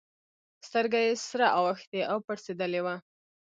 سترگه يې سره اوښتې او پړسېدلې وه.